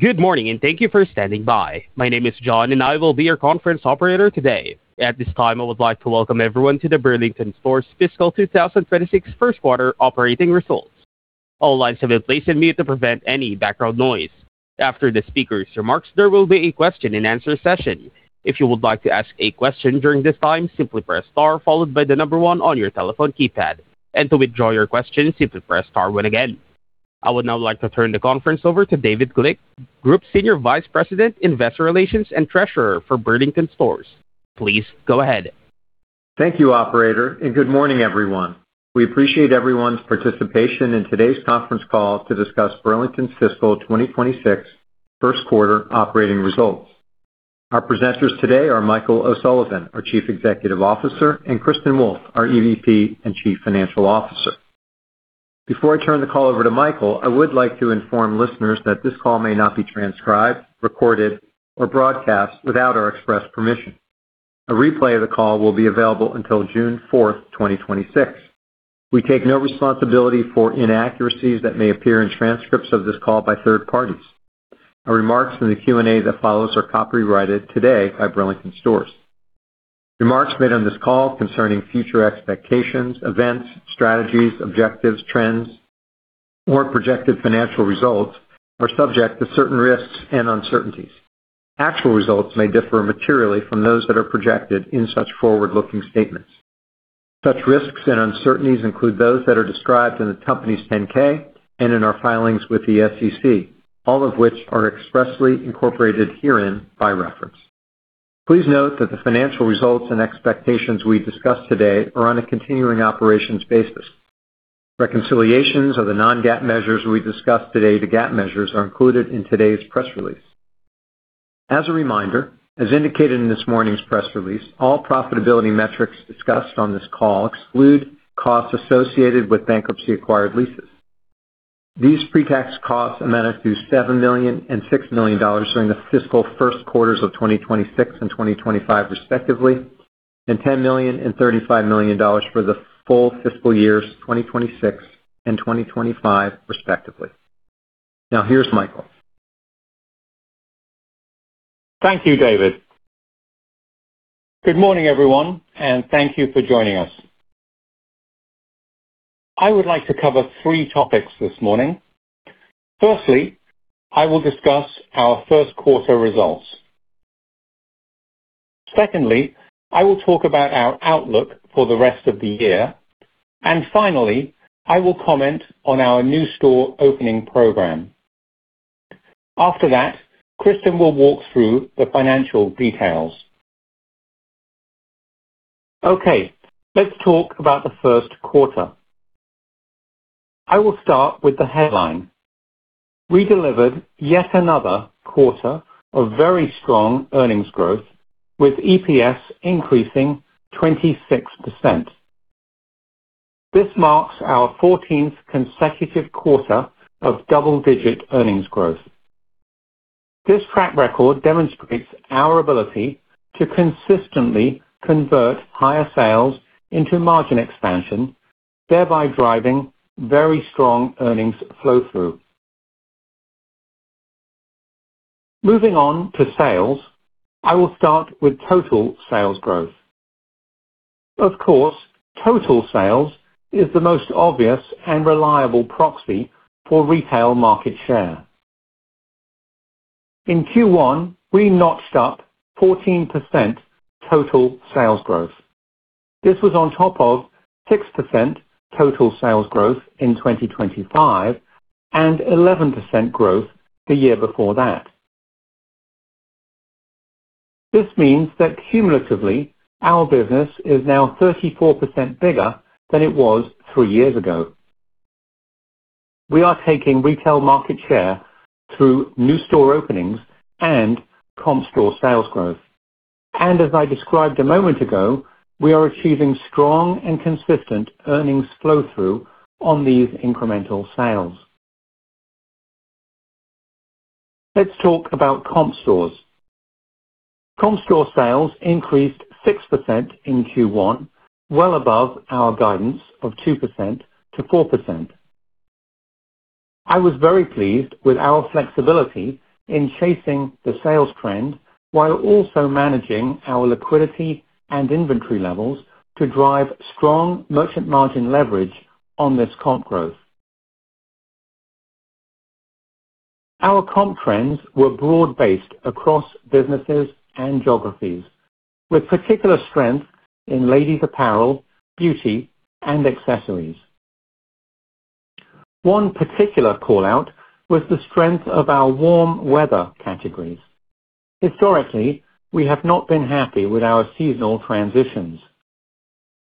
Good morning and thank you for standing by. My name is John, and I will be your conference operator today. At this time, I would like to welcome everyone to the Burlington Stores Fiscal 2026 First Quarter Operating Results. All lines have been placed on mute to prevent any background noise. After the speakers' remarks, there will be a question-and-answer session. If you would like to ask a question during this time, simply press star, followed by the number one on your telephone keypad. To withdraw your question, simply press star one again. I would now like to turn the conference over to David Glick, Group Senior Vice President, Investor Relations and Treasurer for Burlington Stores. Please go ahead. Thank you, operator, and good morning, everyone. We appreciate everyone's participation in today's conference call to discuss Burlington Stores' Fiscal 2026 First Quarter Operating Results. Our presenters today are Michael O'Sullivan, our Chief Executive Officer, and Kristin Wolfe, our EVP and Chief Financial Officer. Before I turn the call over to Michael, I would like to inform listeners that this call may not be transcribed, recorded, or broadcast without our express permission. A replay of the call will be available until June 4th, 2026. We take no responsibility for inaccuracies that may appear in transcripts of this call by third parties. Our remarks in the Q&A that follows are copyrighted today by Burlington Stores. Remarks made on this call concerning future expectations, events, strategies, objectives, trends, or projected financial results are subject to certain risks and uncertainties. Actual results may differ materially from those that are projected in such forward-looking statements. Such risks and uncertainties include those that are described in the company's 10-K and in our filings with the SEC, all of which are expressly incorporated herein by reference. Please note that the financial results and expectations we discuss today are on a continuing operations basis. Reconciliations of the non-GAAP measures we discuss today to GAAP measures are included in today's press release. As a reminder, as indicated in this morning's press release, all profitability metrics discussed on this call exclude costs associated with bankruptcy-acquired leases. These pre-tax costs amounted to $7 million and $6 million during the fiscal first quarters of 2026 and 2025, respectively, and $10 million and $35 million for the full fiscal years 2026 and 2025, respectively. Here's Michael. Thank you, David. Good morning, everyone, and thank you for joining us. I would like to cover three topics this morning. Firstly, I will discuss our first quarter results. Secondly, I will talk about our outlook for the rest of the year. Finally, I will comment on our new store opening program. After that, Kristin will walk through the financial details. Okay, let's talk about the first quarter. I will start with the headline. We delivered yet another quarter of very strong earnings growth, with EPS increasing 26%. This marks our 14th consecutive quarter of double-digit earnings growth. This track record demonstrates our ability to consistently convert higher sales into margin expansion, thereby driving very strong earnings flow-through. Moving on to sales, I will start with total sales growth. Total sales is the most obvious and reliable proxy for retail market share. In Q1, we notched up 14% total sales growth. This was on top of 6% total sales growth in 2025 and 11% growth the year before that. This means that cumulatively, our business is now 34% bigger than it was 3 years ago. We are taking retail market share through new store openings and comp store sales growth. As I described a moment ago, we are achieving strong and consistent earnings flow-through on these incremental sales. Let's talk about comp stores. Comp store sales increased 6% in Q1, well above our guidance of 2%-4%. I was very pleased with our flexibility in chasing the sales trend while also managing our liquidity and inventory levels to drive strong merchant margin leverage on this comp growth. Our comp trends were broad-based across businesses and geographies, with particular strength in ladies' apparel, beauty, and accessories. One particular call-out was the strength of our warm weather categories. Historically, we have not been happy with our seasonal transitions.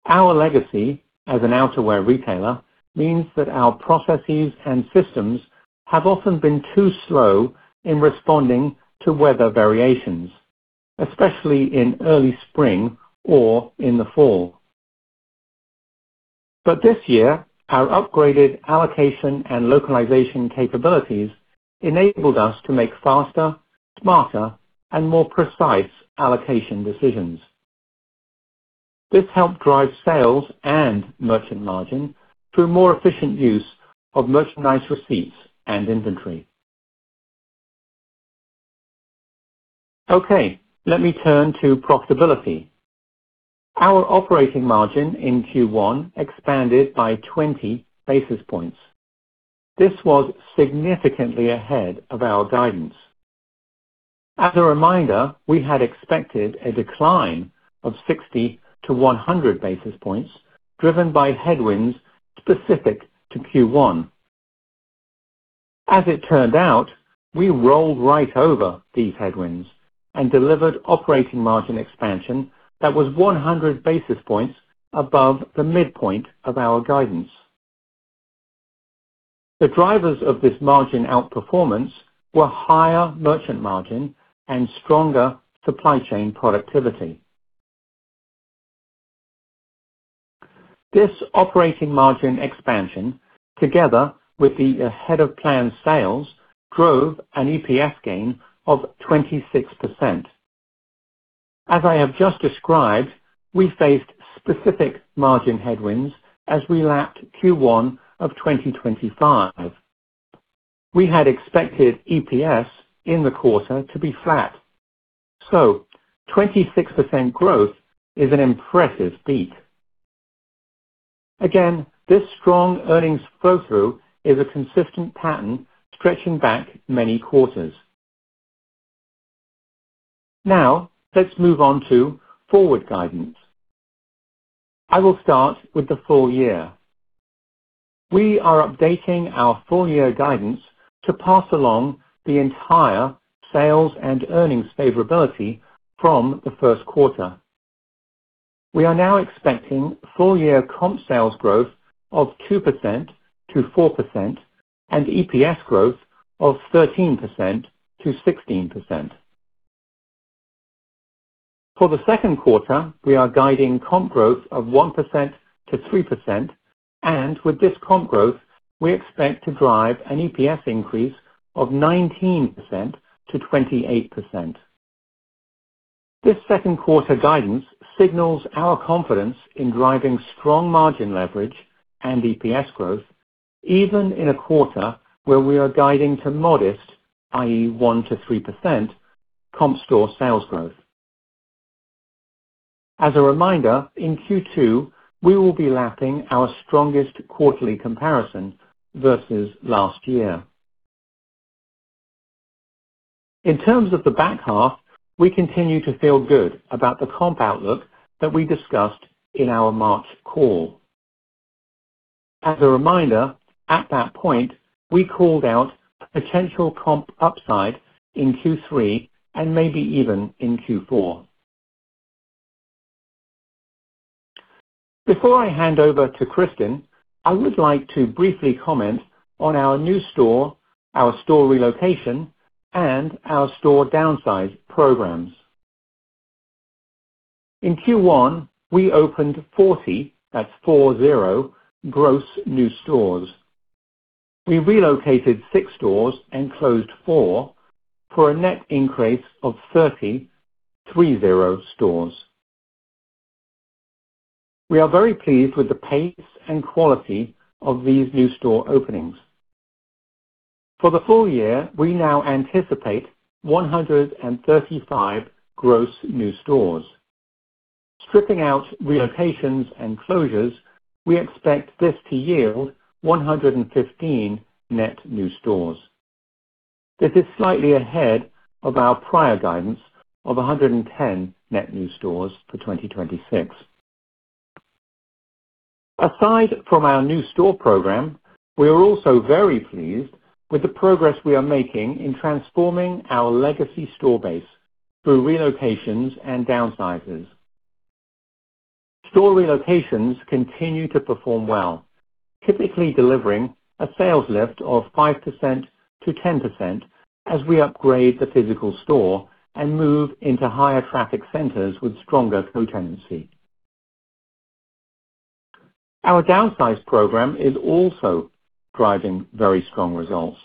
Our legacy as an outerwear retailer means that our processes and systems have often been too slow in responding to weather variations, especially in early spring or in the fall. This year, our upgraded allocation and localization capabilities enabled us to make faster, smarter, and more precise allocation decisions. This helped drive sales and merchant margin through more efficient use of merchandise receipts and inventory. Okay. Let me turn to profitability. Our operating margin in Q1 expanded by 20 basis points. This was significantly ahead of our guidance. As a reminder, we had expected a decline of 60 basis points-100 basis points, driven by headwinds specific to Q1. As it turned out, we rolled right over these headwinds and delivered operating margin expansion that was 100 basis points above the midpoint of our guidance. The drivers of this margin outperformance were higher merchant margin and stronger supply chain productivity. This operating margin expansion, together with the ahead-of-plan sales, drove an EPS gain of 26%. As I have just described, we faced specific margin headwinds as we lapped Q1 of 2025. We had expected EPS in the quarter to be flat. So, 26% growth is an impressive beat. Again, this strong earnings flow-through is a consistent pattern stretching back many quarters. Now, let's move on to forward guidance. I will start with the full year. We are updating our full-year guidance to pass along the entire sales and earnings favorability from the first quarter. We are now expecting full-year comp sales growth of 2%-4% and EPS growth of 13%-16%. For the second quarter, we are guiding comp growth of 1%-3%, and with this comp growth, we expect to drive an EPS increase of 19%-28%. This second quarter guidance signals our confidence in driving strong margin leverage and EPS growth, even in a quarter where we are guiding to modest, i.e., 1%-3% comp store sales growth. As a reminder, in Q2, we will be lapping our strongest quarterly comparison versus last year. In terms of the back half, we continue to feel good about the comp outlook that we discussed in our March call. As a reminder, at that point, we called out potential comp upside in Q3 and maybe even in Q4. Before I hand over to Kristin, I would like to briefly comment on our new store, our store relocation, and our store downsize programs. In Q1, we opened 40 gross new stores. We relocated six stores and closed four for a net increase of 30 stores. We are very pleased with the pace and quality of these new store openings. For the full year, we now anticipate 135 gross new stores. Stripping out relocations and closures, we expect this to yield 115 net new stores. This is slightly ahead of our prior guidance of 110 net new stores for 2026. Aside from our new store program, we are also very pleased with the progress we are making in transforming our legacy store base through relocations and downsizes. Store relocations continue to perform well, typically delivering a sales lift of 5%-10% as we upgrade the physical store and move into higher traffic centers with stronger co-tenancy. Our downsize program is also driving very strong results.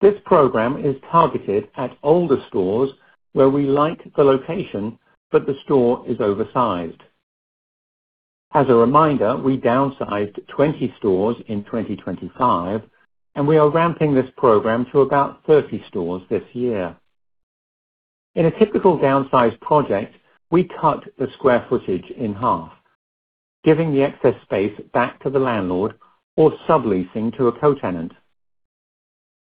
This program is targeted at older stores where we like the location, but the store is oversized. As a reminder, we downsized 20 stores in 2025, and we are ramping this program to about 30 stores this year. In a typical downsize project, we cut the square footage in half, giving the excess space back to the landlord or subleasing to a co-tenant.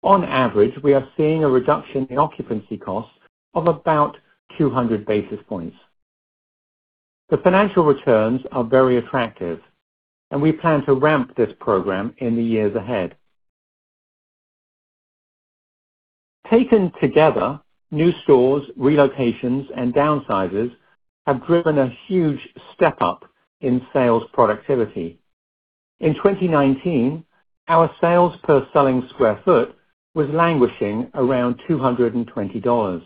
On average, we are seeing a reduction in occupancy costs of about 200 basis points. The financial returns are very attractive, and we plan to ramp this program in the years ahead. Taken together, new stores, relocations, and downsizes have driven a huge step up in sales productivity. In 2019, our sales per selling square foot was languishing around $220.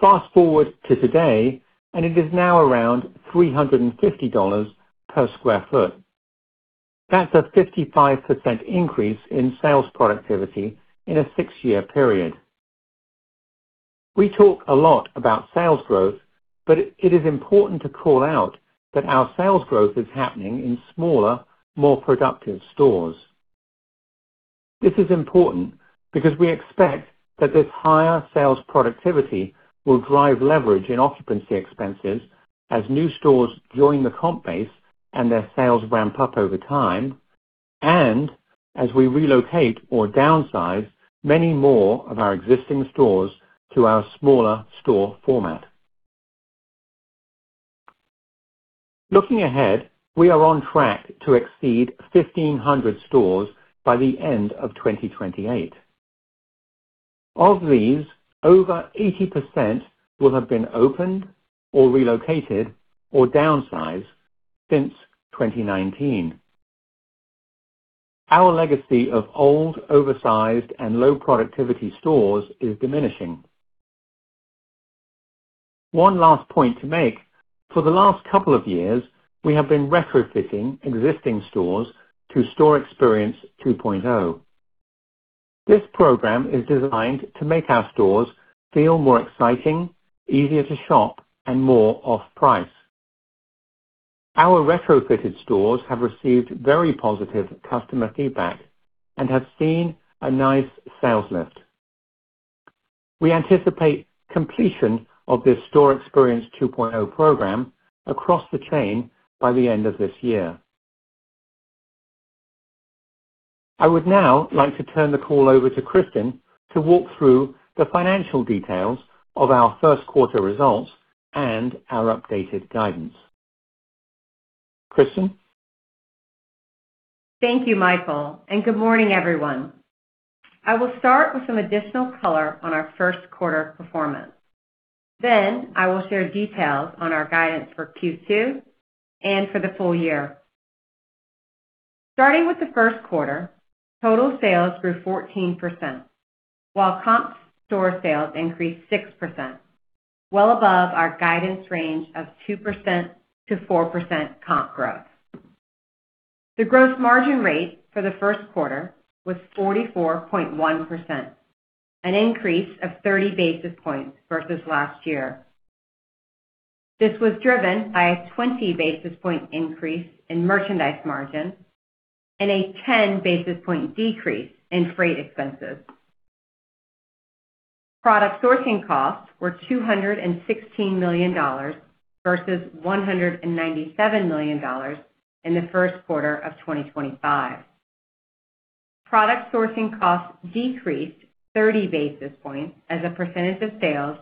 Fast forward to today and it is now around $350 per sq ft. That's a 55% increase in sales productivity in a 6-year period. We talk a lot about sales growth, it is important to call out that our sales growth is happening in smaller, more productive stores. This is important because we expect that this higher sales productivity will drive leverage in occupancy expenses as new stores join the comp base and their sales ramp up over time, and as we relocate or downsize many more of our existing stores to our smaller store format. Looking ahead, we are on track to exceed 1,500 stores by the end of 2028. Of these, over 80% will have been opened or relocated or downsized since 2019. Our legacy of old, oversized, and low-productivity stores is diminishing. One last point to make. For the last couple of years, we have been retrofitting existing stores to Store Experience 2.0. This program is designed to make our stores feel more exciting, easier to shop and more off-price. Our retrofitted stores have received very positive customer feedback and have seen a nice sales lift. We anticipate completion of this Store Experience 2.0 program across the chain by the end of this year. I would now like to turn the call over to Kristin to walk through the financial details of our first quarter results and our updated guidance. Kristin? Thank you, Michael, and good morning, everyone. I will start with some additional color on our first quarter performance. I will share details on our guidance for Q2 and for the full year. Starting with the first quarter, total sales grew 14%, while comp store sales increased 6%, well above our guidance range of 2%-4% comp growth. The gross margin rate for the first quarter was 44.1%, an increase of 30 basis points versus last year. This was driven by a 20 basis point increase in merchandise margin and a 10 basis point decrease in freight expenses. Product sourcing costs were $216 million versus $197 million in the first quarter of 2025. Product sourcing costs decreased 30 basis points as a percentage of sales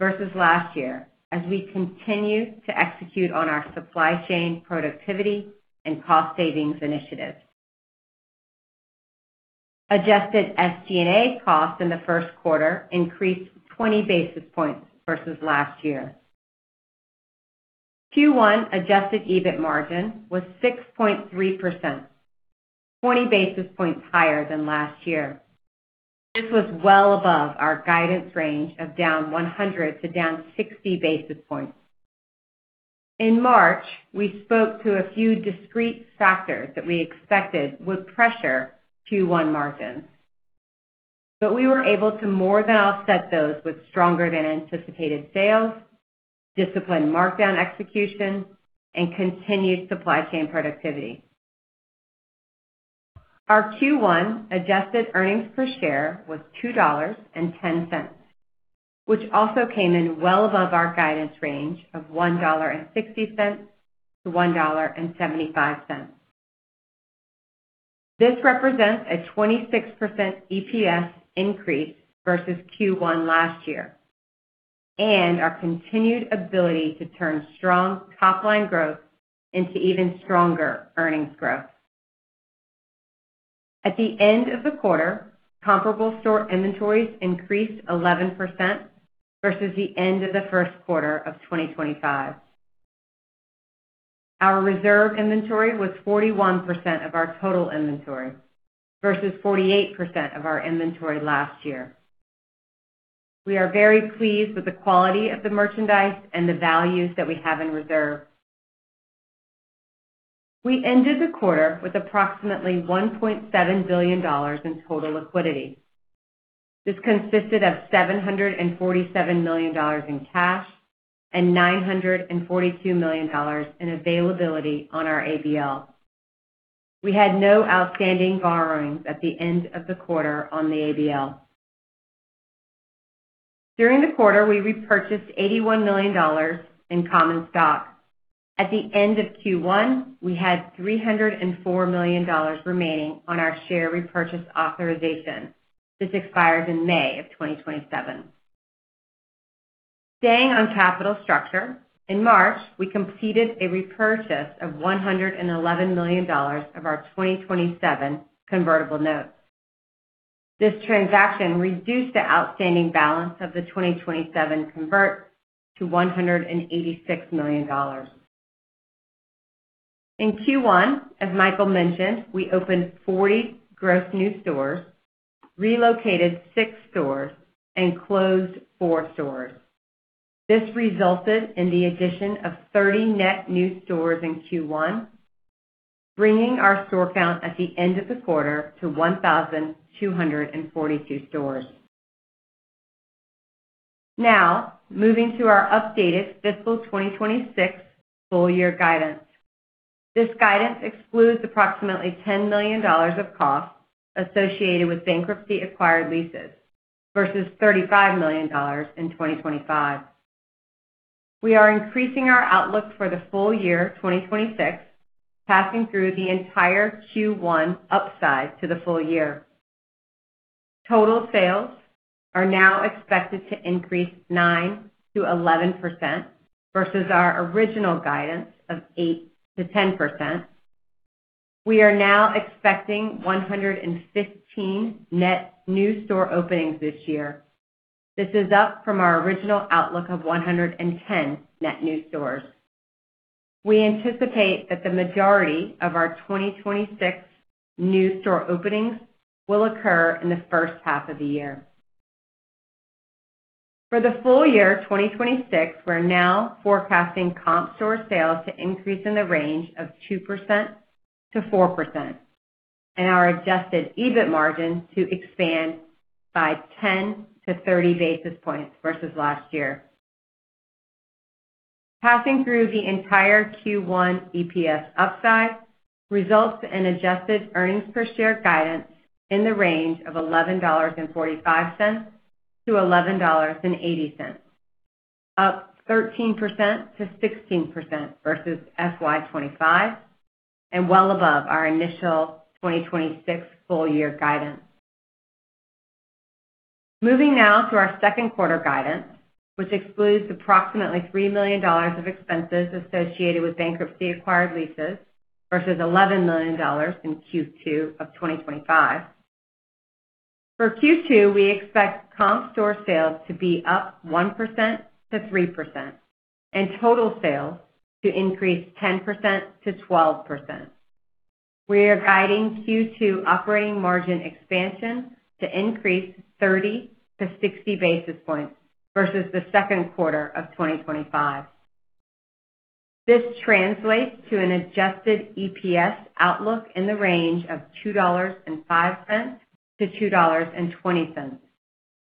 versus last year as we continue to execute on our supply chain productivity and cost savings initiatives. Adjusted SG&A costs in the first quarter increased 20 basis points versus last year. Q1 adjusted EBIT margin was 6.3%, 20 basis points higher than last year. This was well above our guidance range of down 100 basis points to down 60 basis points. In March, we spoke to a few discrete factors that we expected would pressure Q1 margins, but we were able to more than offset those with stronger than anticipated sales, disciplined markdown execution, and continued supply chain productivity. Our Q1 adjusted earnings per share was $2.10, which also came in well above our guidance range of $1.60-$1.75. This represents a 26% EPS increase versus Q1 last year and our continued ability to turn strong top-line growth into even stronger earnings growth. At the end of the quarter, comparable store inventories increased 11% versus the end of the first quarter of 2025. Our reserve inventory was 41% of our total inventory versus 48% of our inventory last year. We are very pleased with the quality of the merchandise and the values that we have in reserve. We ended the quarter with approximately $1.7 billion in total liquidity. This consisted of $747 million in cash and $942 million in availability on our ABL. We had no outstanding borrowings at the end of the quarter on the ABL. During the quarter, we repurchased $81 million in common stock. At the end of Q1, we had $304 million remaining on our share repurchase authorization. This expires in May of 2027. Staying on capital structure, in March, we completed a repurchase of $111 million of our 2027 convertible notes. This transaction reduced the outstanding balance of the 2027 convert to $186 million. In Q1, as Michael mentioned, we opened 40 gross new stores, relocated six stores, and closed four stores. This resulted in the addition of 30 net new stores in Q1, bringing our store count at the end of the quarter to 1,242 stores. Now, moving to our updated fiscal 2026 full year guidance. This guidance excludes approximately $10 million of costs associated with bankruptcy acquired leases versus $35 million in 2025. We are increasing our outlook for the full year 2026, passing through the entire Q1 upside to the full year. Total sales are now expected to increase 9%-11% versus our original guidance of 8%-10%. We are now expecting 115 net new store openings this year. This is up from our original outlook of 110 net new stores. We anticipate that the majority of our 2026 new store openings will occur in the first half of the year. For the full year 2026, we're now forecasting comp store sales to increase in the range of 2%-4%, and our adjusted EBIT margin to expand by 10 basis points to 30 basis points versus last year. Passing through the entire Q1 EPS upside results in adjusted earnings per share guidance in the range of $11.45-$11.80, up 13%-16% versus FY 2025, and well above our initial 2026 full year guidance. Moving now to our second quarter guidance, which excludes approximately $3 millions of expenses associated with bankruptcy acquired leases versus $11 million in Q2 of 2025. For Q2, we expect comp store sales to be up 1%-3% and total sales to increase 10%-12%. We are guiding Q2 operating margin expansion to increase 30 basis points to 60 basis points versus the second quarter of 2025. This translates to an adjusted EPS outlook in the range of $2.05-$2.20,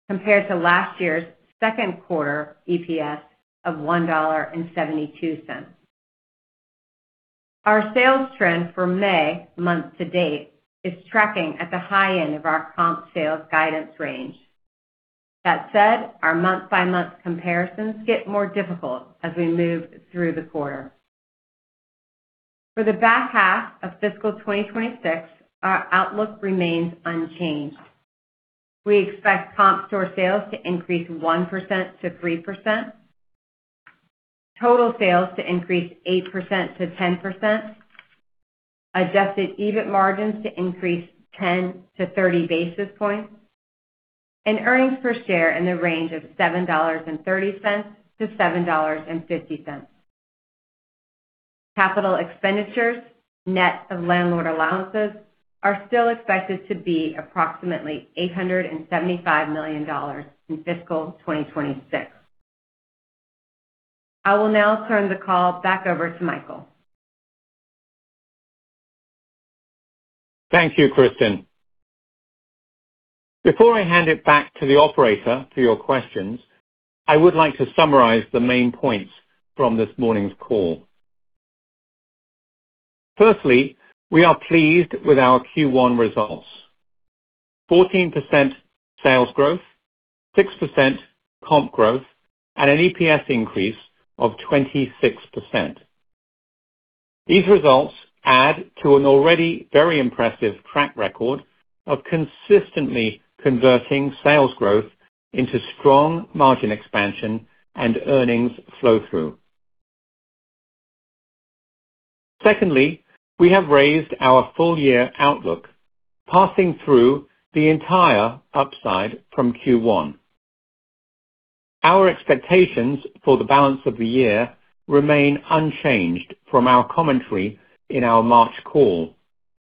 compared to last year's second quarter EPS of $1.72. Our sales trend for May month to date is tracking at the high end of our comp sales guidance range. That said, our month-by-month comparisons get more difficult as we move through the quarter. For the back half of fiscal 2026, our outlook remains unchanged. We expect comp store sales to increase 1%-3%, total sales to increase 8%-10%, adjusted EBIT margins to increase 10 basis points to 30 basis points, and earnings per share in the range of $7.30-$7.50. Capital expenditures net of landlord allowances is still expected to be approximately $875 million in fiscal 2026. I will now turn the call back over to Michael. Thank you, Kristin. Before I hand it back to the operator for your questions, I would like to summarize the main points from this morning's call. Firstly, we are pleased with our Q1 results. 14% sales growth, 6% comp growth, and an EPS increase of 26%. These results add to an already very impressive track record of consistently converting sales growth into strong margin expansion and earnings flow-through. Secondly, we have raised our full year outlook, passing through the entire upside from Q1. Our expectations for the balance of the year remain unchanged from our commentary in our March call,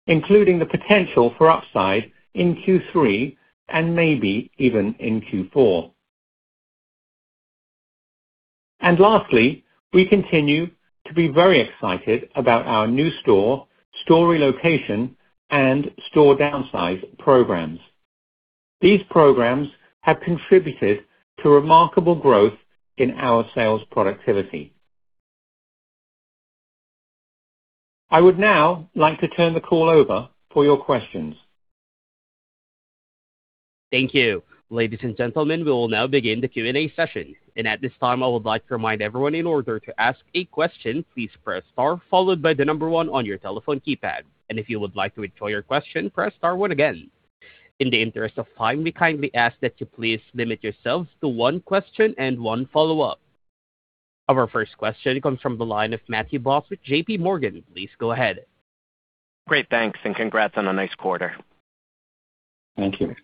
including the potential for upside in Q3 and maybe even in Q4. Lastly, we continue to be very excited about our new store relocation, and store downsize programs. These programs have contributed to remarkable growth in our sales productivity. I would now like to turn the call over for your questions. Thank you. Ladies and gentlemen, we will now begin the Q&A session. And at this time, I would like to remind everyone in order to ask a question, please press star followed by the number one on your telephone keypad. And if you would like to withdraw your question, press star one again. In the interest of time, we kindly ask that you please limit yourself to one question and one follow-up. Our first question comes from the line of Matthew Boss with JPMorgan. Please go ahead. Great, thanks, and congrats on a nice quarter. Thank you.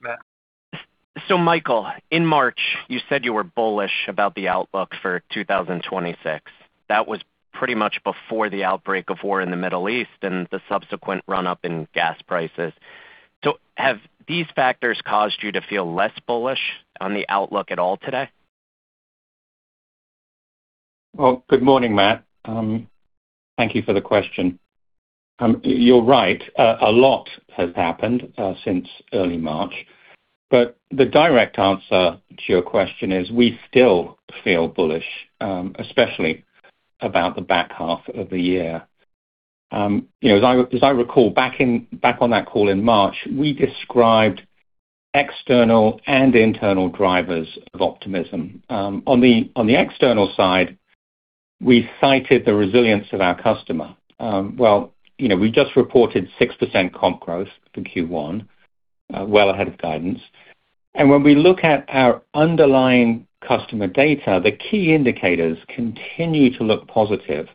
Michael, in March, you said you were bullish about the outlook for 2026. That was pretty much before the outbreak of war in the Middle East and the subsequent run-up in gas prices. Have these factors caused you to feel less bullish on the outlook at all today? Well, good morning, Matthew. Thank you for the question. You're right, a lot has happened since early March. The direct answer to your question is we still feel bullish, especially about the back half of the year. As I recall, back on that call in March, we described external and internal drivers of optimism. On the external side, we cited the resilience of our customer. Well, we just reported 6% comp growth for Q1, well ahead of guidance. When we look at our underlying customer data, the key indicators continue to look positive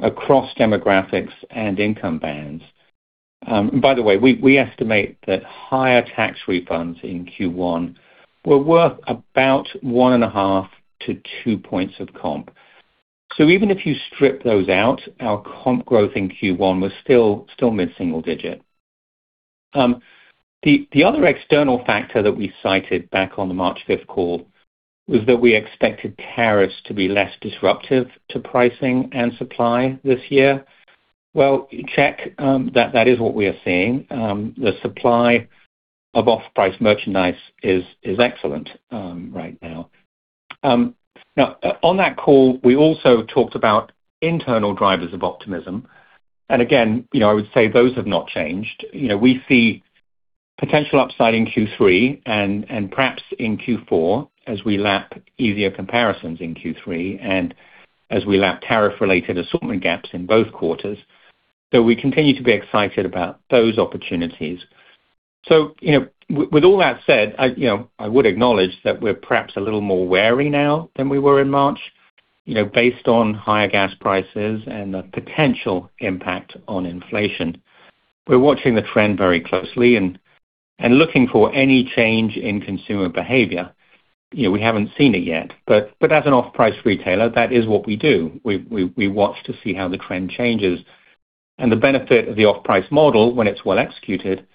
across demographics and income bands. By the way, we estimate that higher tax refunds in Q1 were worth about 1.5 to 2 points of comp. Even if you strip those out, our comp growth in Q1 was still mid-single digit. The other external factor that we cited back on the March 5th call was that we expected tariffs to be less disruptive to pricing and supply this year. Well, check. That is what we are seeing. The supply of off-price merchandise is excellent right now. Now, on that call, we also talked about internal drivers of optimism. Again, I would say those have not changed. We see potential upside in Q3 and perhaps in Q4 as we lap easier comparisons in Q3 and as we lap tariff related assortment gaps in both quarters. We continue to be excited about those opportunities. With all that said, I would acknowledge that we're perhaps a little more wary now than we were in March, based on higher gas prices and the potential impact on inflation. We're watching the trend very closely and looking for any change in consumer behavior. We haven't seen it yet, but as an off-price retailer, that is what we do. We watch to see how the trend changes. The benefit of the off-price model, when it's well executed,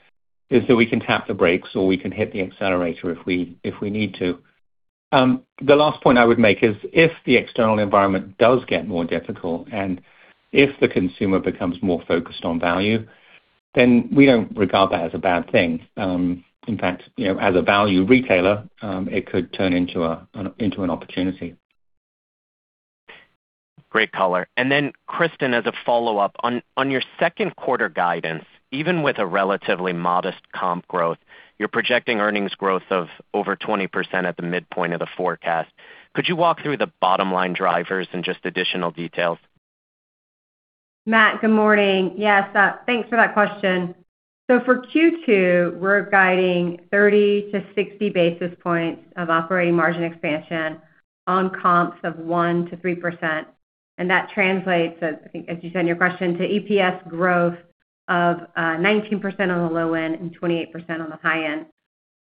is that we can tap the brakes or we can hit the accelerator if we need to. The last point I would make is if the external environment does get more difficult and if the consumer becomes more focused on value, then we don't regard that as a bad thing. In fact, as a value retailer, it could turn into an opportunity. Great color. Kristin, as a follow-up, on your second quarter guidance, even with a relatively modest comp growth, you're projecting earnings growth of over 20% at the midpoint of the forecast. Could you walk through the bottom-line drivers and just additional details? Matthew, good morning. Yes, thanks for that question. For Q2, we're guiding 30basis points to 60 basis points of operating margin expansion on comps of 1%-3%. That translates, I think as you said in your question, to EPS growth of 19% on the low end and 28% on the high end.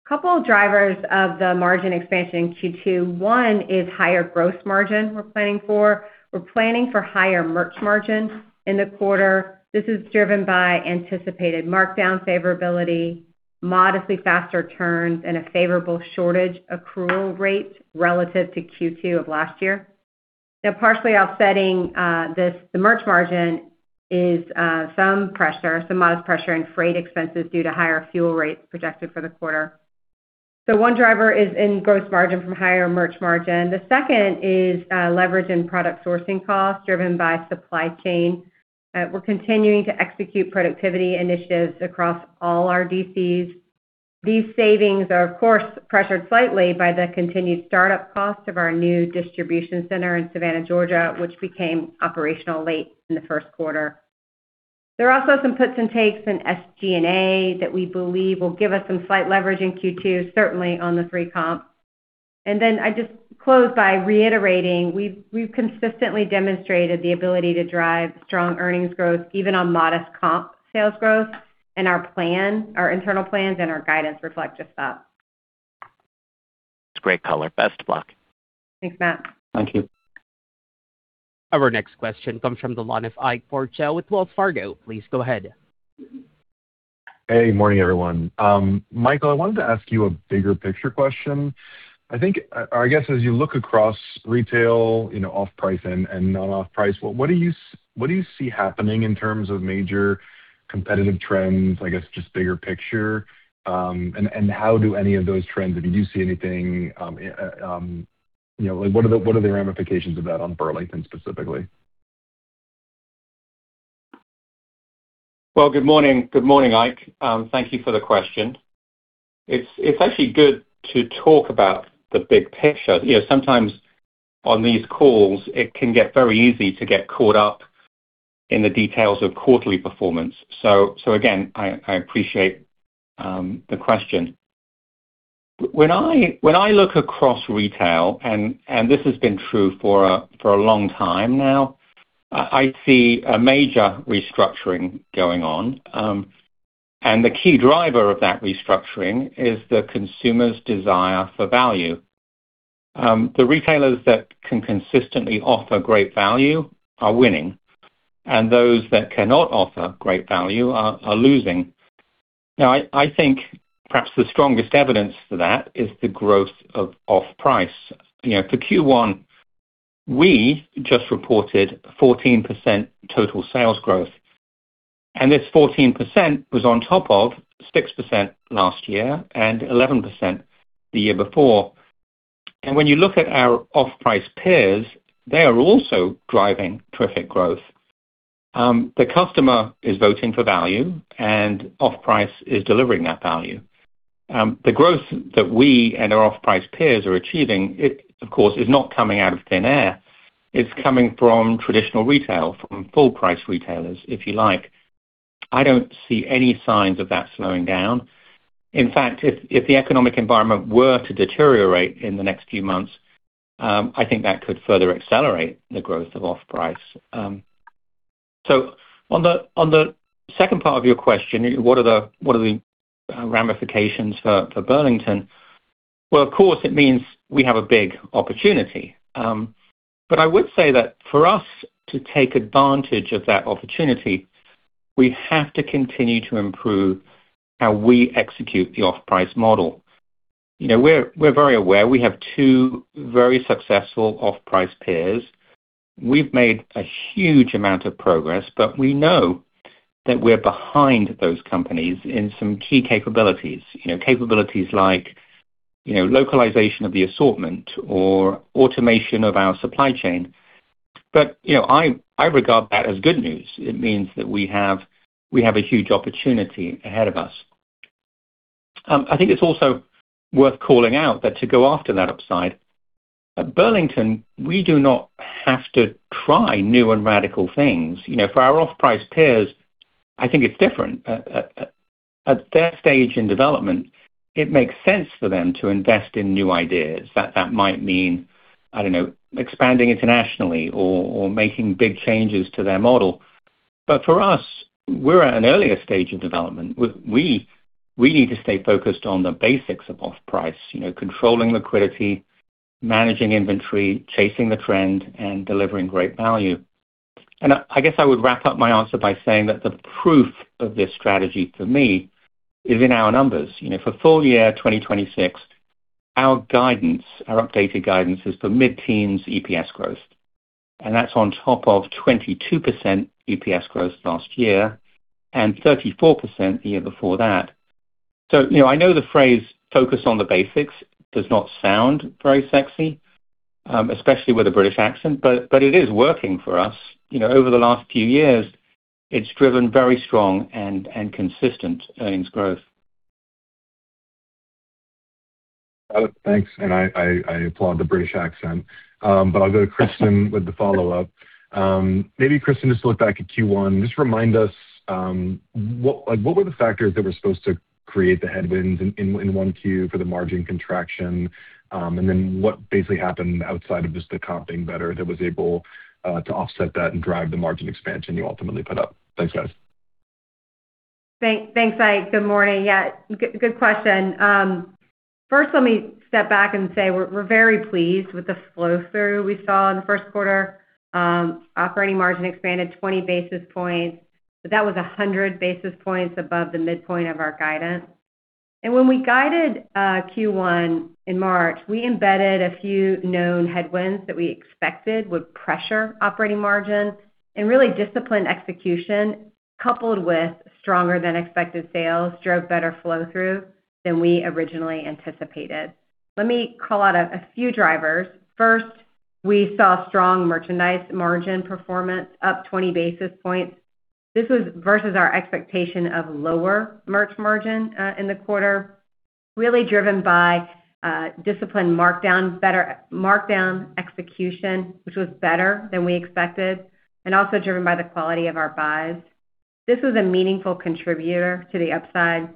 Couple of drivers of the margin expansion in Q2. One is higher gross margin we're planning for. We're planning for higher merch margin in the quarter. This is driven by anticipated markdown favorability, modestly faster turns, and a favorable shortage accrual rate relative to Q2 of last year. Partially offsetting this, the merch margin is some modest pressure in freight expenses due to higher fuel rates projected for the quarter. One driver is in gross margin from higher merch margin. The second is leverage in product sourcing costs driven by supply chain. We're continuing to execute productivity initiatives across all our DCs. These savings are, of course, pressured slightly by the continued start-up costs of our new distribution center in Savannah, Georgia, which became operational late in the first quarter. There are also some puts and takes in SG&A that we believe will give us some slight leverage in Q2, certainly on the three comp. I just close by reiterating, we've consistently demonstrated the ability to drive strong earnings growth, even on modest comp sales growth. Our internal plans and our guidance reflect just that. It's great color. Best of luck. Thanks, Matthew. Thank you. Our next question comes from the line of Ike Boruchow with Wells Fargo. Please go ahead. Hey, morning, everyone. Michael, I wanted to ask you a bigger picture question. I guess, as you look across retail, off price and non-off price, what do you see happening in terms of major competitive trends, I guess just bigger picture? How do any of those trends, if you see anything, what are the ramifications of that on Burlington specifically? Well, good morning. Good morning, Ike. Thank you for the question. It's actually good to talk about the big picture. Sometimes on these calls, it can get very easy to get caught up in the details of quarterly performance. Again, I appreciate the question. When I look across retail, and this has been true for a long time now, I see a major restructuring going on. The key driver of that restructuring is the consumer's desire for value. The retailers that can consistently offer great value are winning, and those that cannot offer great value are losing. Now, I think perhaps the strongest evidence for that is the growth of off-price. For Q1, we just reported 14% total sales growth, and this 14% was on top of 6% last year and 11% the year before. When you look at our off-price peers, they are also driving terrific growth. The customer is voting for value, off-price is delivering that value. The growth that we and our off-price peers are achieving, of course, is not coming out of thin air. It's coming from traditional retail, from full-price retailers, if you like. I don't see any signs of that slowing down. In fact, if the economic environment were to deteriorate in the next few months, I think that could further accelerate the growth of off-price. On the second part of your question, what are the ramifications for Burlington? Well, of course, it means we have a big opportunity. I would say that for us to take advantage of that opportunity, we have to continue to improve how we execute the off-price model. We're very aware we have two very successful off-price peers. We've made a huge amount of progress, we know that we're behind those companies in some key capabilities like localization of the assortment or automation of our supply chain. I regard that as good news. It means that we have a huge opportunity ahead of us. I think it's also worth calling out that to go after that upside, at Burlington, we do not have to try new and radical things. For our off-price peers, I think it's different. At their stage in development, it makes sense for them to invest in new ideas. That might mean, I don't know, expanding internationally or making big changes to their model. For us, we're at an earlier stage of development. We need to stay focused on the basics of off-price, controlling liquidity, managing inventory, chasing the trend, and delivering great value. I guess I would wrap up my answer by saying that the proof of this strategy for me is in our numbers. For full year 2026, our updated guidance is for mid-teens EPS growth, and that's on top of 22% EPS growth last year and 34% the year before that. I know the phrase "focus on the basics" does not sound very sexy, especially with a British accent, but it is working for us. Over the last few years, it's driven very strong and consistent earnings growth. Oh, thanks. I applaud the British accent. I'll go to Kristin Wolfe with the follow-up. Maybe, Kristin Wolfe, just to look back at Q1, just remind us, what were the factors that were supposed to create the headwinds in Q1 for the margin contraction? What basically happened outside of just the comp being better that was able to offset that and drive the margin expansion you ultimately put up? Thanks, guys. Thanks, Ike. Good morning. Yeah, good question. First, let me step back and say we're very pleased with the flow-through we saw in the first quarter. Operating margin expanded 20 basis points. That was 100 basis points above the midpoint of our guidance. When we guided Q1 in March, we embedded a few known headwinds that we expected would pressure operating margin, and really disciplined execution, coupled with stronger than expected sales, drove better flow-through than we originally anticipated. Let me call out a few drivers. First, we saw strong merchandise margin performance up 20 basis points. This was versus our expectation of lower merch margin in the quarter, really driven by disciplined markdown, better markdown execution, which was better than we expected, and also driven by the quality of our buys. This was a meaningful contributor to the upside.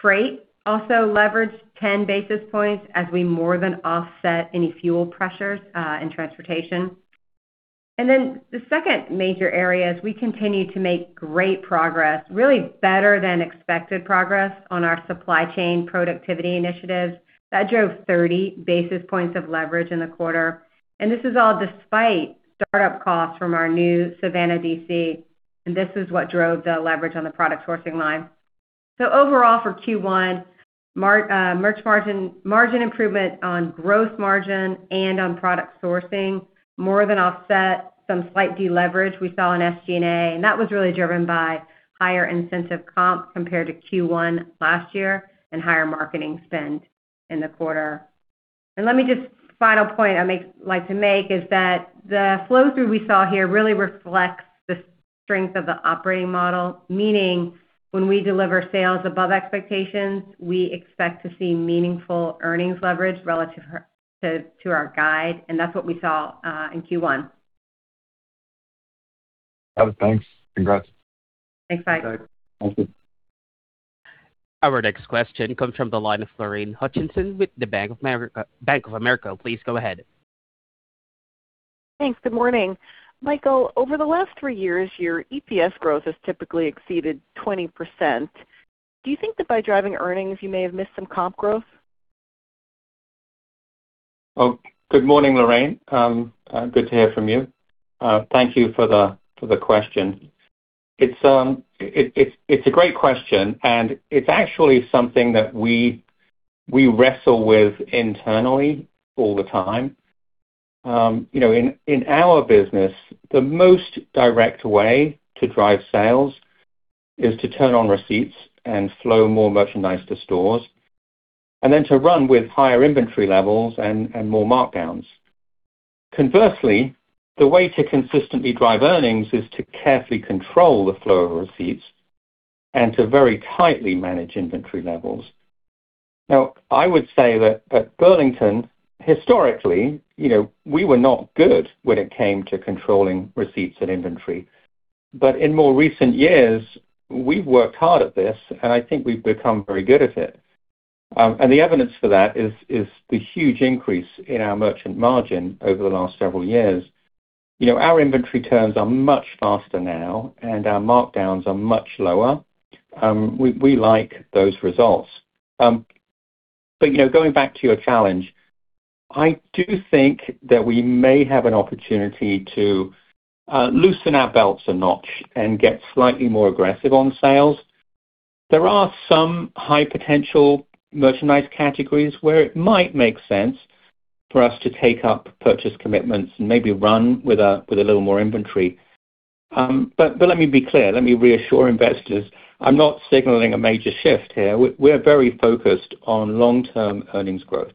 Freight also leveraged 10 basis points as we more than offset any fuel pressures in transportation. The second major area is we continue to make great progress, really better than expected progress, on our supply chain productivity initiatives. That drove 30 basis points of leverage in the quarter. This is all despite start-up costs from our new Savannah DC, and this is what drove the leverage on the product sourcing line. Overall, for Q1, margin improvement on gross margin and on product sourcing more than offset some slight deleverage we saw in SG&A, and that was really driven by higher incentive comp compared to Q1 last year and higher marketing spend in the quarter. Let me just, final point I'd like to make is that the flow-through we saw here really reflects the strength of the operating model. Meaning, when we deliver sales above expectations, we expect to see meaningful earnings leverage relative to our guide, and that's what we saw in Q1. Oh, thanks. Congrats. Thanks, Ike. Thank you. Our next question comes from the line of Lorraine Hutchinson with the Bank of America. Please go ahead. Thanks. Good morning. Michael, over the last 3 years, your EPS growth has typically exceeded 20%. Do you think that by driving earnings, you may have missed some comp growth? Oh, good morning, Lorraine. Good to hear from you. Thank you for the question. It's a great question, and it's actually something that we wrestle with internally all the time. In our business, the most direct way to drive sales is to turn on receipts and flow more merchandise to stores, and then to run with higher inventory levels and more markdowns. Conversely, the way to consistently drive earnings is to carefully control the flow of receipts and to very tightly manage inventory levels. Now, I would say that at Burlington, historically, we were not good when it came to controlling receipts and inventory. In more recent years, we've worked hard at this, and I think we've become very good at it. The evidence for that is the huge increase in our merchant margin over the last several years. Our inventory turns are much faster now, and our markdowns are much lower. We like those results. Going back to your challenge, I do think that we may have an opportunity to loosen our belts a notch and get slightly more aggressive on sales. There are some high potential merchandise categories where it might make sense for us to take up purchase commitments and maybe run with a little more inventory. Let me be clear, let me reassure investors, I'm not signaling a major shift here. We're very focused on long-term earnings growth.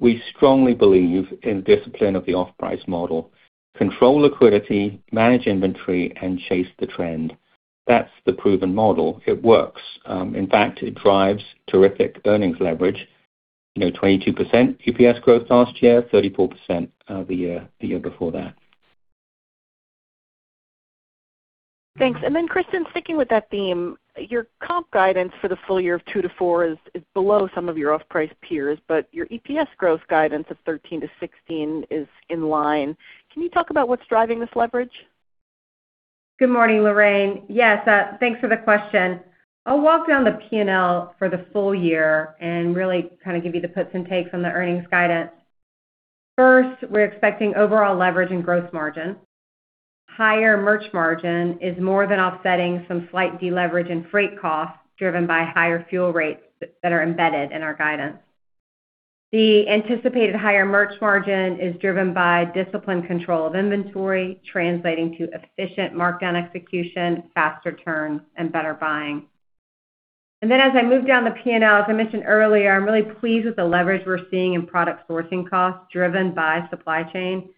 We strongly believe in discipline of the off-price model, control liquidity, manage inventory, and chase the trend. That's the proven model. It works. In fact, it drives terrific earnings leverage. 22% EPS growth last year, 34% the year before that. Thanks. Then Kristin, sticking with that theme, your comp guidance for the full year of 2%-4% is below some of your off-price peers, but your EPS growth guidance of 13%-16% is in line. Can you talk about what's driving this leverage? Good morning, Lorraine. Yes, thanks for the question. I'll walk down the P&L for the full year and really kind of give you the puts and takes on the earnings guidance. First, we're expecting overall leverage in gross margin. Higher merch margin is more than offsetting some slight deleverage in freight costs driven by higher fuel rates that are embedded in our guidance. The anticipated higher merch margin is driven by disciplined control of inventory, translating to efficient markdown execution, faster turns, and better buying. Then as I move down the P&L, as I mentioned earlier, I'm really pleased with the leverage we're seeing in product sourcing costs driven by supply chain.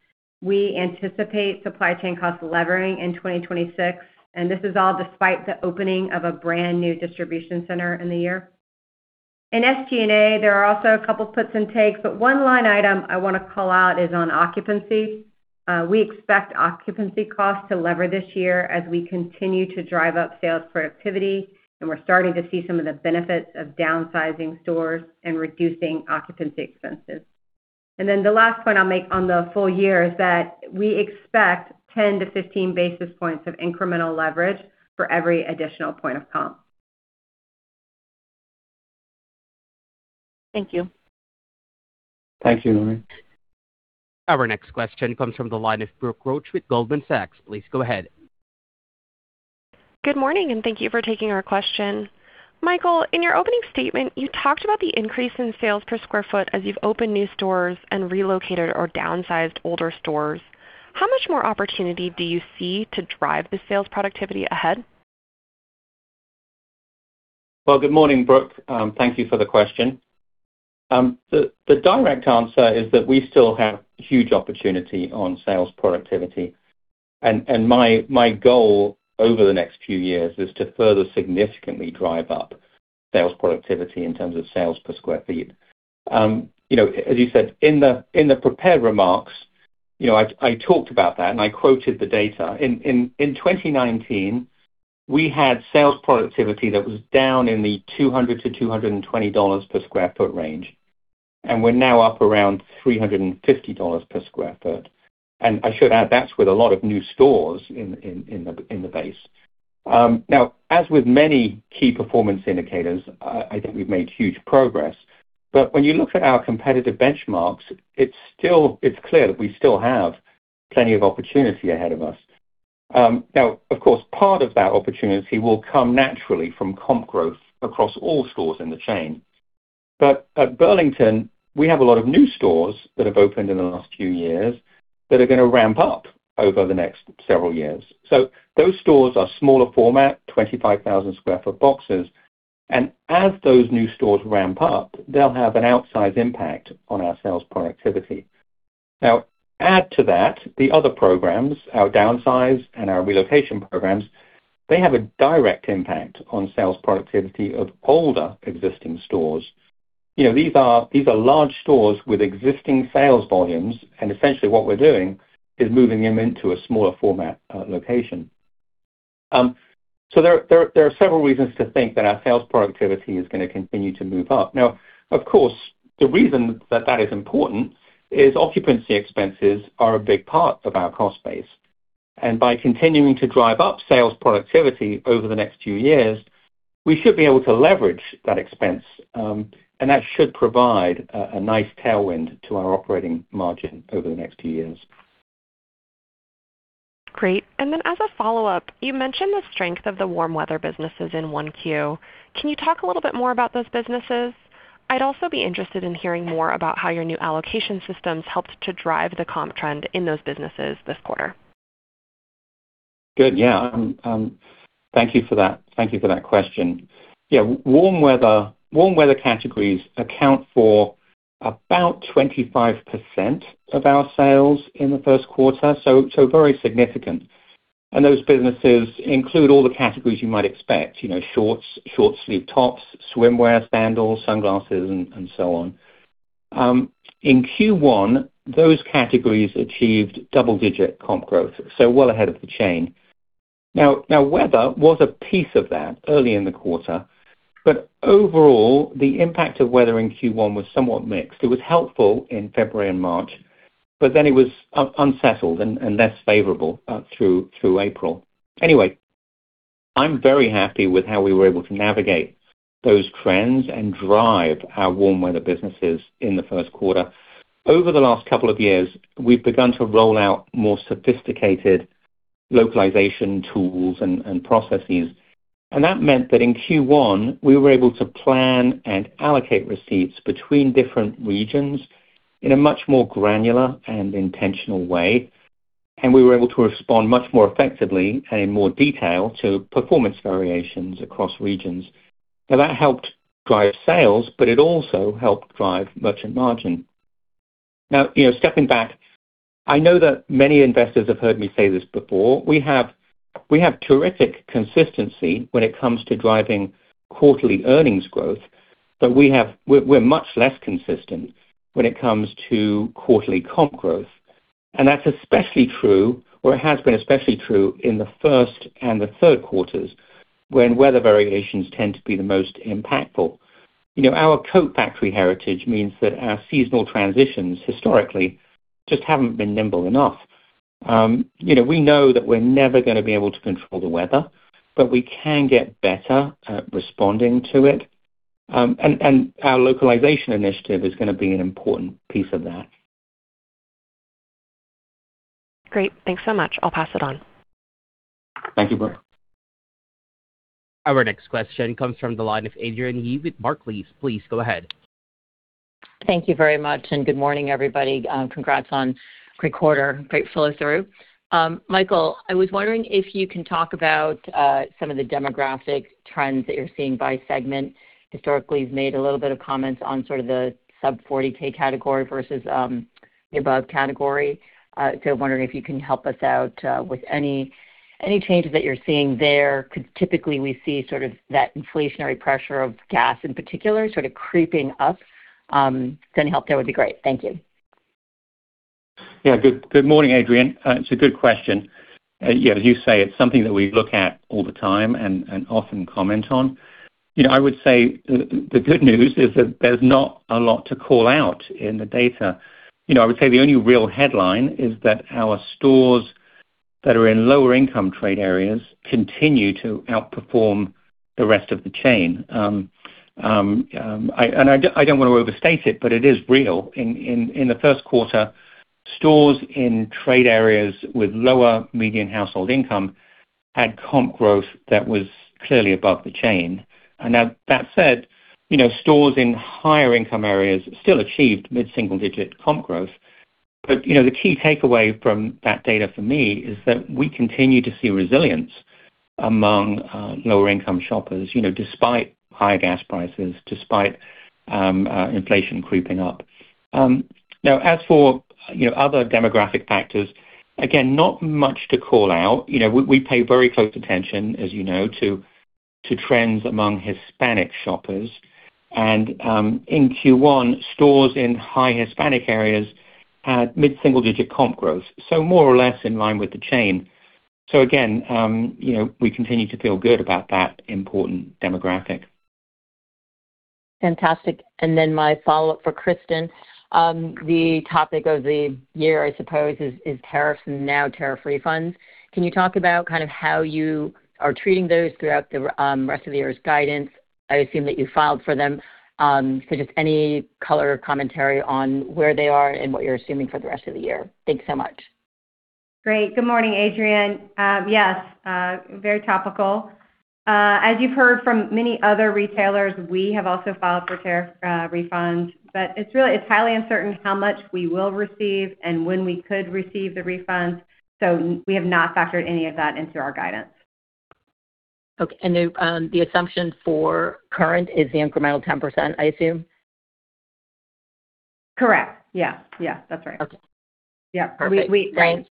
We anticipate supply chain costs levering in 2026, and this is all despite the opening of a brand-new distribution center in the year. In SG&A, there are also a couple puts and takes, but one line item I want to call out is on occupancy. We expect occupancy costs to lever this year as we continue to drive up sales productivity, and we're starting to see some of the benefits of downsizing stores and reducing occupancy expenses. The last point I'll make on the full year is that we expect 10 basis points to 15 basis points of incremental leverage for every additional point of comp. Thank you. Thank you, Lorraine. Our next question comes from the line of Brooke Roach with Goldman Sachs. Please go ahead. Good morning. Thank you for taking our question. Michael, in your opening statement, you talked about the increase in sales per square foot as you've opened new stores and relocated or downsized older stores. How much more opportunity do you see to drive the sales productivity ahead? Well, good morning, Brooke. Thank you for the question. The direct answer is that we still have huge opportunity on sales productivity. My goal over the next few years is to further significantly drive up sales productivity in terms of sales per square feet. As you said, in the prepared remarks, I talked about that, and I quoted the data. In 2019, we had sales productivity that was down in the $200-$220 per square foot range, and we're now up around $350 per square foot. I should add, that's with a lot of new stores in the base. Now, as with many key performance indicators, I think we've made huge progress. When you look at our competitive benchmarks, it's clear that we still have plenty of opportunity ahead of us. Of course, part of that opportunity will come naturally from comp growth across all stores in the chain. At Burlington, we have a lot of new stores that have opened in the last few years that are going to ramp up over the next several years. Those stores are smaller format, 25,000 sq ft boxes. As those new stores ramp up, they'll have an outsized impact on our sales productivity. Add to that the other programs, our downsize and our relocation programs, they have a direct impact on sales productivity of older existing stores. These are large stores with existing sales volumes, and essentially what we're doing is moving them into a smaller format location. There are several reasons to think that our sales productivity is going to continue to move up. Now, of course, the reason that that is important is occupancy expenses are a big part of our cost base. By continuing to drive up sales productivity over the next few years, we should be able to leverage that expense, and that should provide a nice tailwind to our operating margin over the next few years. Great. Then as a follow-up, you mentioned the strength of the warm weather businesses in 1Q. Can you talk a little bit more about those businesses? I'd also be interested in hearing more about how your new allocation systems helped to drive the comp trend in those businesses this quarter. Good. Yeah. Thank you for that question. Yeah. Warm weather categories account for about 25% of our sales in the first quarter, very significant. Those businesses include all the categories you might expect: shorts, short-sleeved tops, swimwear, sandals, sunglasses, and so on. In Q1, those categories achieved double-digit comp growth, well ahead of the chain. Weather was a piece of that early in the quarter, overall, the impact of weather in Q1 was somewhat mixed. It was helpful in February and March, it was unsettled and less favorable through April. I'm very happy with how we were able to navigate those trends and drive our warm weather businesses in the first quarter. Over the last couple of years, we've begun to roll out more sophisticated localization tools and processes, and that meant that in Q1, we were able to plan and allocate receipts between different regions in a much more granular and intentional way, and we were able to respond much more effectively and in more detail to performance variations across regions. That helped drive sales, but it also helped drive merchant margin. Stepping back, I know that many investors have heard me say this before. We have terrific consistency when it comes to driving quarterly earnings growth, but we're much less consistent when it comes to quarterly comp growth. That's especially true, or it has been especially true, in the first and the third quarters, when weather variations tend to be the most impactful. Our Coat Factory heritage means that our seasonal transitions historically just haven't been nimble enough. We know that we're never going to be able to control the weather, but we can get better at responding to it. Our localization initiative is going to be an important piece of that. Great. Thanks so much. I'll pass it on. Thank you. Our next question comes from the line of Adrienne Yih with Barclays. Please go ahead. Thank you very much. Good morning, everybody. Congrats on a great quarter. Great follow-through. Michael, I was wondering if you can talk about some of the demographic trends that you're seeing by segment. Historically, you've made a little bit of comments on the sub 40K category versus the above category. Wondering if you can help us out with any changes that you're seeing there. Could typically we see that inflationary pressure of gas in particular sort of creeping up? If you can help there, that would be great. Thank you. Yeah. Good morning, Adrienne. It's a good question. As you say, it's something that we look at all the time and often comment on. I would say the good news is that there's not a lot to call out in the data. I would say the only real headline is that our stores that are in lower income trade areas continue to outperform the rest of the chain. I don't want to overstate it, but it is real. In the first quarter, stores in trade areas with lower median household income had comp growth that was clearly above the chain. Now that said, stores in higher income areas still achieved mid-single digit comp growth. The key takeaway from that data for me is that we continue to see resilience among lower income shoppers despite high gas prices, despite inflation creeping up. As for other demographic factors, again, not much to call out. We pay very close attention, as you know, to trends among Hispanic shoppers. In Q1, stores in high Hispanic areas had mid-single digit comp growth, so more or less in line with the chain. Again, we continue to feel good about that important demographic. Fantastic. Then my follow-up for Kristin. The topic of the year, I suppose, is tariffs and now tariff refunds. Can you talk about how you are treating those throughout the rest of the year as guidance? I assume that you filed for them. Just any color or commentary on where they are and what you're assuming for the rest of the year. Thanks so much. Great. Good morning, Adrienne. Yes, very topical. As you've heard from many other retailers, we have also filed for tariff refunds, but it's highly uncertain how much we will receive and when we could receive the refunds. We have not factored any of that into our guidance. Okay. The assumption for current is the incremental 10%, I assume? Correct. Yeah. That's right. Okay. Yeah. Perfect. Thanks.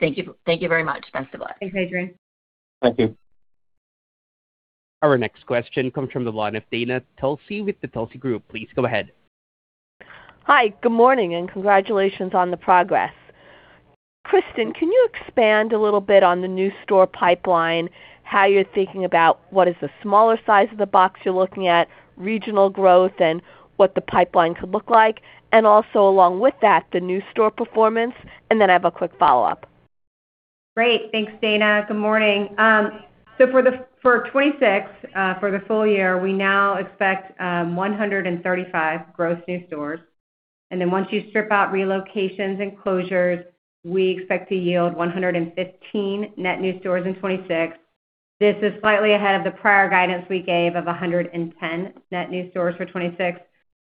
Thank you very much. Best of luck. Thanks, Adrienne. Thank you. Our next question comes from the line of Dana Telsey with Telsey Advisory Group. Please go ahead. Hi, good morning, and congratulations on the progress. Kristin, can you expand a little bit on the new store pipeline, how you're thinking about what is the smaller size of the box you're looking at, regional growth, and what the pipeline could look like? Also, along with that, the new store performance, and then I have a quick follow-up. Great. Thanks, Dana. Good morning. For 2026, for the full year, we now expect 135 gross new stores. Once you strip out relocations and closures, we expect to yield 115 net new stores in 2026. This is slightly ahead of the prior guidance we gave of 110 net new stores for 2026.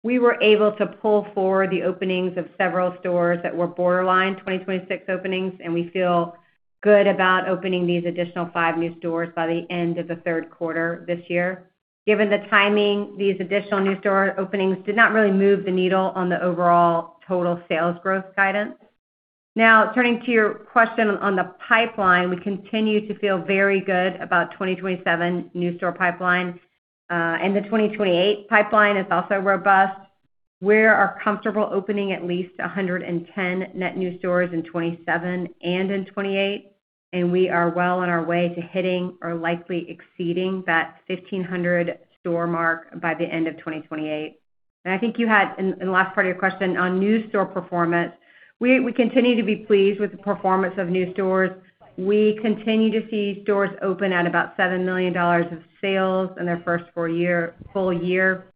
We were able to pull forward the openings of several stores that were borderline 2026 openings, and we feel good about opening these additional five new stores by the end of the third quarter this year. Given the timing, these additional new store openings did not really move the needle on the overall total sales growth guidance. Turning to your question on the pipeline, we continue to feel very good about 2027 new store pipeline. The 2028 pipeline is also robust. We are comfortable opening at least 110 net new stores in 2027 and in 2028. We are well on our way to hitting or likely exceeding that 1,500 store mark by the end of 2028. I think you had in the last part of your question on new store performance, we continue to be pleased with the performance of new stores. We continue to see stores open at about $7 million of sales in their first full year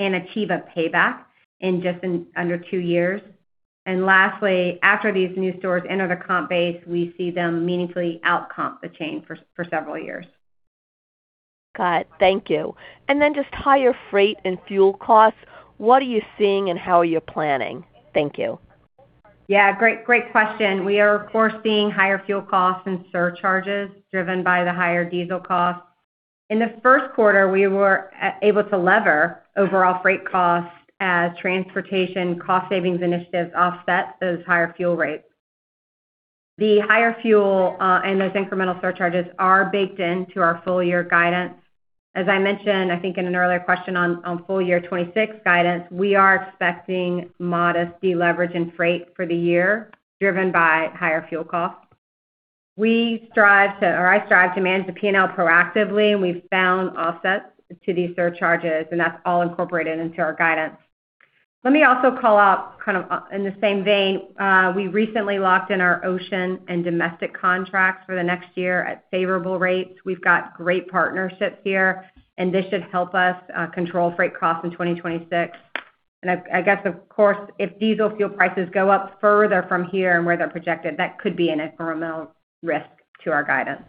and achieve a payback in just under 2 years. Lastly, after these new stores enter the comp base, we see them meaningfully out-comp the chain for several years. Got it. Thank you. Just higher freight and fuel costs, what are you seeing and how are you planning? Thank you. Yeah. Great question. We are, of course, seeing higher fuel costs and surcharges driven by the higher diesel costs. In the first quarter, we were able to lever overall freight costs as transportation cost savings initiatives offset those higher fuel rates. The higher fuel, and those incremental surcharges are baked into our full year guidance. As I mentioned, I think in an earlier question on full year 2026 guidance, we are expecting modest deleverage in freight for the year, driven by higher fuel costs. I strive to manage the P&L proactively. We've found offsets to these surcharges. That's all incorporated into our guidance. Let me also call out, in the same vein, we recently locked in our ocean and domestic contracts for the next year at favorable rates. We've got great partnerships here. This should help us control freight costs in 2026. I guess, of course, if diesel fuel prices go up further from here and where they're projected, that could be an incremental risk to our guidance.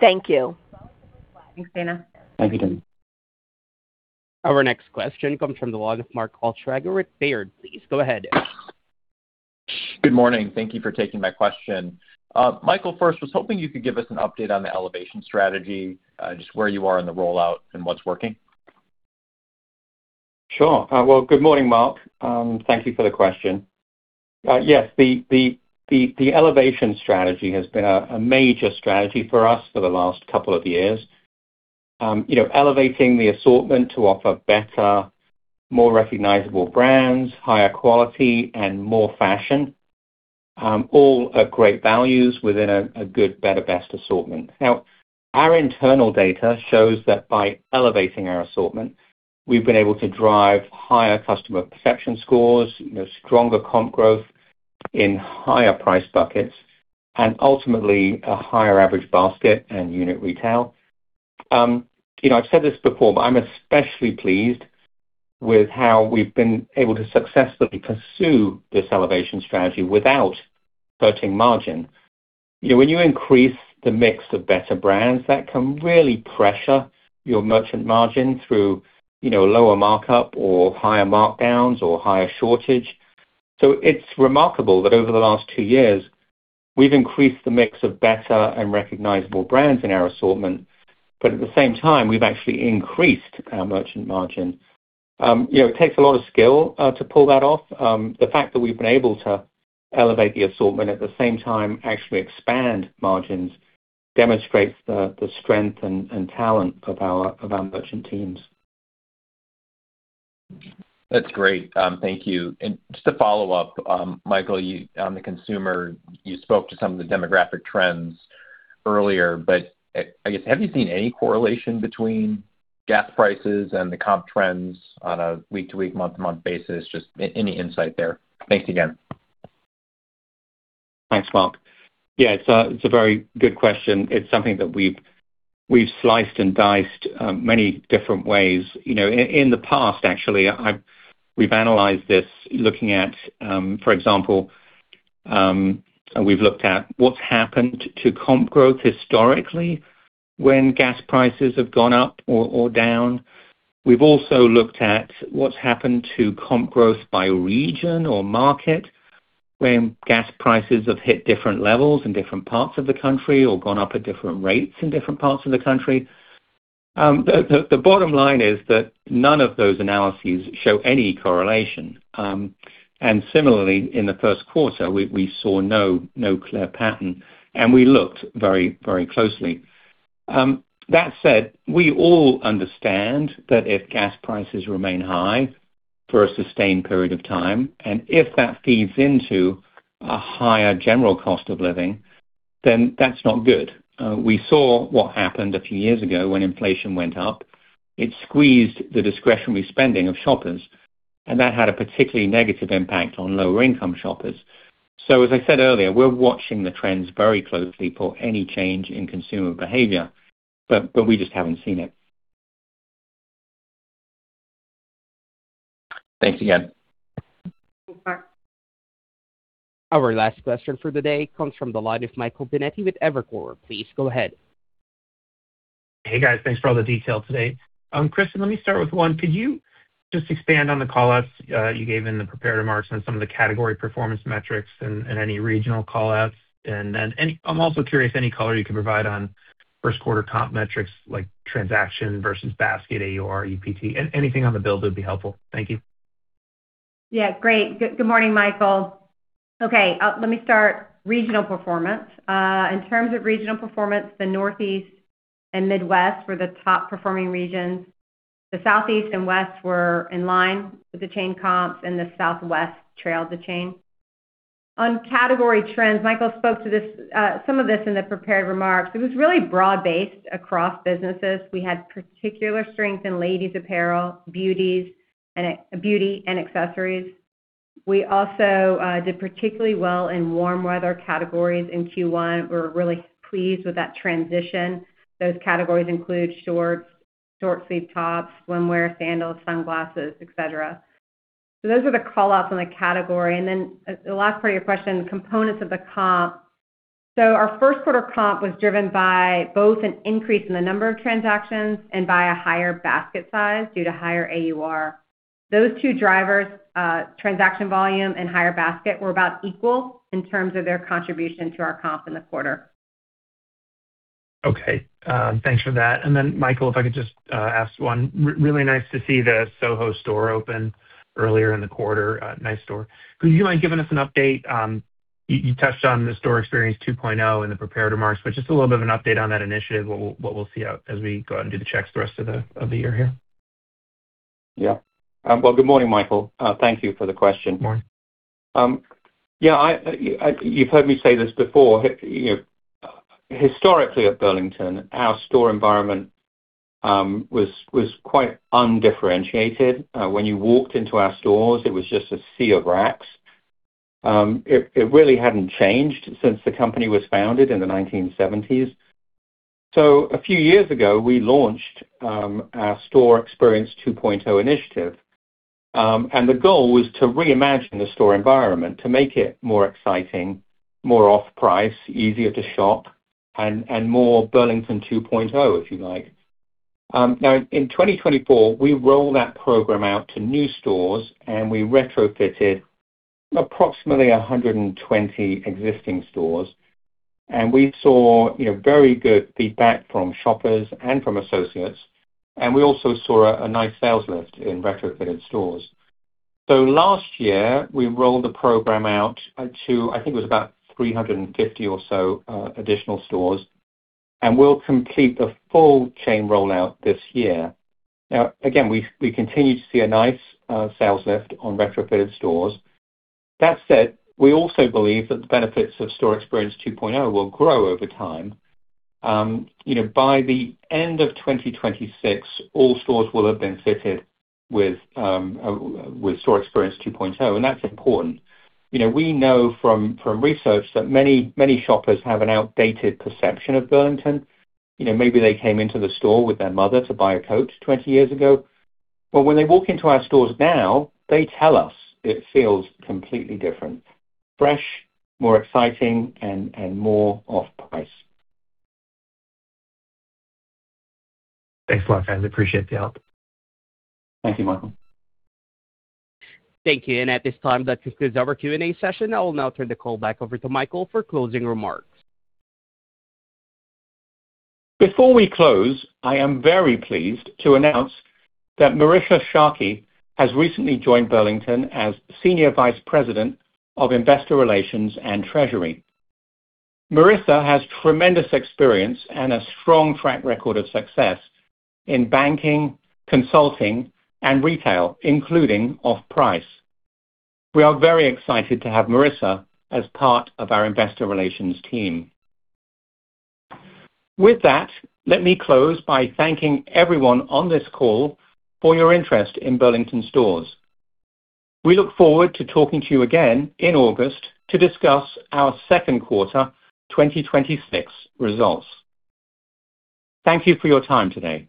Thank you. Thanks, Dana. Thank you, Dana. Our next question comes from the line of Mark Altschwager with Baird. Please go ahead. Good morning. Thank you for taking my question. Michael, first, was hoping you could give us an update on the elevation strategy, just where you are in the rollout and what's working. Sure. Well, good morning, Mark. Thank you for the question. Yes. The Elevation Strategy has been a major strategy for us for the last couple of years. Elevating the assortment to offer better, more recognizable brands, higher quality, and more fashion, all at great values within a good-better-best assortment. Now, our internal data shows that by elevating our assortment, we've been able to drive higher customer perception scores, stronger comp growth in higher price buckets, and ultimately, a higher average basket and unit retail. I've said this before, I'm especially pleased with how we've been able to successfully pursue this Elevation Strategy without hurting margin. When you increase the mix of better brands, that can really pressure your merchant margin through lower markup or higher markdowns or higher shortage. It's remarkable that over the last 2 years, we've increased the mix of better and recognizable brands in our assortment, but at the same time, we've actually increased our merchant margin. It takes a lot of skill to pull that off. The fact that we've been able to elevate the assortment at the same time actually expand margins demonstrates the strength and talent of our merchant teams. That's great. Thank you. Just to follow up, Michael, on the consumer, you spoke to some of the demographic trends earlier, I guess, have you seen any correlation between gas prices and the comp trends on a week-to-week, month-to-month basis? Just any insight there. Thanks again. Thanks, Mark. Yeah, it's a very good question. It's something that we've sliced and diced many different ways. In the past actually, we've analyzed this looking at, for example, we've looked at what's happened to comp growth historically when gas prices have gone up or down. We've also looked at what's happened to comp growth by region or market when gas prices have hit different levels in different parts of the country or gone up at different rates in different parts of the country. The bottom line is that none of those analyses show any correlation. Similarly, in the first quarter, we saw no clear pattern, and we looked very closely. That said, we all understand that if gas prices remain high for a sustained period of time, and if that feeds into a higher general cost of living, then that's not good. We saw what happened a few years ago when inflation went up. It squeezed the discretionary spending of shoppers. That had a particularly negative impact on lower income shoppers. As I said earlier, we're watching the trends very closely for any change in consumer behavior, but we just haven't seen it. Thanks again. Our last question for the day comes from the line of Michael Binetti with Evercore. Please go ahead. Hey, guys. Thanks for all the detail today. Kristin, let me start with one. Could you just expand on the callouts you gave in the prepared remarks on some of the category performance metrics and any regional callouts? I'm also curious any color you can provide on first quarter comp metrics like transaction versus basket, AUR, UPT, anything on the build would be helpful. Thank you. Yeah. Great. Good morning, Michael. Let me start regional performance. In terms of regional performance, the Northeast and Midwest were the top-performing regions. The Southeast and West were in line with the chain comps, and the Southwest trailed the chain. On category trends, Michael spoke some of this in the prepared remarks. It was really broad-based across businesses. We had particular strength in ladies apparel, beauty, and accessories. We also did particularly well in warm weather categories in Q1. We're really pleased with that transition. Those categories include shorts, short-sleeved tops, swimwear, sandals, sunglasses, et cetera. Those are the callouts on the category. The last part of your question, components of the comp. Our first quarter comp was driven by both an increase in the number of transactions and by a higher basket size due to higher AUR. Those two drivers, transaction volume and higher basket, were about equal in terms of their contribution to our comp in the quarter. Okay, thanks for that. Michael, if I could just ask one. Really nice to see the SoHo store open earlier in the quarter. Nice store. Could you mind giving us an update, you touched on the Store Experience 2.0 in the prepared remarks, but just a little bit of an update on that initiative, what we'll see as we go out and do the checks the rest of the year here? Yeah. Well, good morning, Michael. Thank you for the question. Morning. Yeah. You've heard me say this before. Historically at Burlington, our store environment was quite undifferentiated. When you walked into our stores, it was just a sea of racks. It really hadn't changed since the company was founded in the 1970s. A few years ago, we launched our Store Experience 2.0 initiative. The goal was to reimagine the store environment, to make it more exciting, more off-price, easier to shop, and more Burlington 2.0, if you like. Now, in 2024, we rolled that program out to new stores, and we retrofitted approximately 120 existing stores. We saw very good feedback from shoppers and from associates, and we also saw a nice sales lift in retrofitted stores. Last year, we rolled the program out to, I think it was about 350 or so, additional stores. We'll complete the full chain rollout this year. Again, we continue to see a nice sales lift on retrofitted stores. That said, we also believe that the benefits of Store Experience 2.0 will grow over time. By the end of 2026, all stores will have been fitted with Store Experience 2.0, and that's important. We know from research that many shoppers have an outdated perception of Burlington. Maybe they came into the store with their mother to buy a coat 20 years ago. When they walk into our stores now, they tell us it feels completely different. Fresh, more exciting, and more off-price. Thanks a lot, guys. Appreciate the help. Thank you, Michael. Thank you. At this time, that concludes our Q&A session. I will now turn the call back over to Michael for closing remarks. Before we close, I am very pleased to announce that Marisa Sharkey has recently joined Burlington as Senior Vice President of Investor Relations and Treasury. Marisa has tremendous experience and a strong track record of success in banking, consulting, and retail, including off-price. We are very excited to have Marisa as part of our investor relations team. With that, let me close by thanking everyone on this call for your interest in Burlington Stores. We look forward to talking to you again in August to discuss our second quarter 2026 results. Thank you for your time today.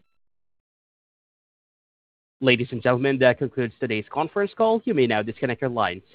Ladies and gentlemen, that concludes today's conference call. You may now disconnect your lines.